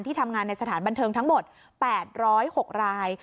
ทำงานในสถานบันเทิงทั้งหมด๘๐๖ราย